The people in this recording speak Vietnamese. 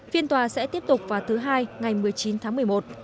phiên tòa sẽ tiếp tục vào thứ hai ngày một mươi chín tháng một mươi một